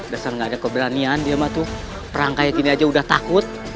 dasar gak ada keberanian dia mah tuh perang kayak gini aja udah takut